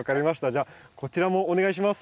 じゃあこちらもお願いします。